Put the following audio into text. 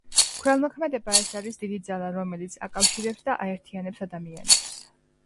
ქველმოქმედება–ეს არის დიდი ძალა, რომელიც აკავშირებს და აერთიანებს ადამიანებს.